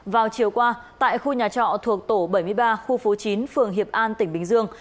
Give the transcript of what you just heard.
vào chiều qua tại khu nhà trọ thuộc tổ bảy mươi ba khu phố chín phường hiệp an tỉnh bình dương